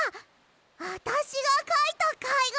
あたしがかいたかいがらだ！